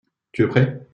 Tu es prêt ?